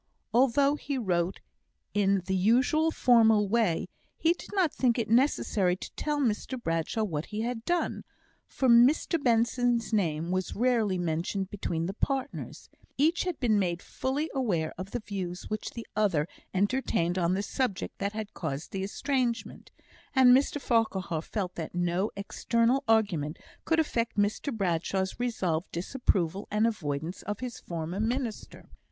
Although he wrote in the usual formal way, he did not think it necessary to tell Mr Bradshaw what he had done; for Mr Benson's name was rarely mentioned between the partners; each had been made fully aware of the views which the other entertained on the subject that had caused the estrangement; and Mr Farquhar felt that no external argument could affect Mr Bradshaw's resolved disapproval and avoidance of his former minister.